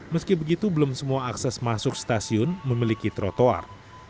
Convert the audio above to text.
meski begitu belum semua akses masuk stasiun memiliki trotoar